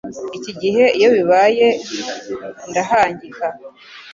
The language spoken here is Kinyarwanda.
Iki gihe iyo bibaye ndahangika